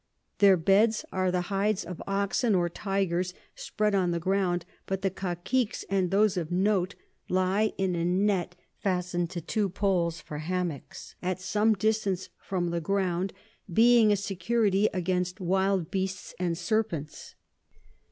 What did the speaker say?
Their Beds are the Hides of Oxen or Tygers, spread on the ground; but the Caciques, and those of Note, lie in a Net fasten'd to two Poles for Hammocks, at some distance from the ground, being a Security against wild Beasts and Serpents.